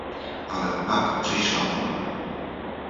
Ale pak přišla ona!